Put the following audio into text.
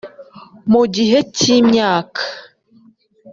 Mu gihe cy’imyaka